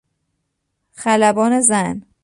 خلبان زن